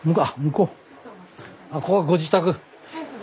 ここはご自宅？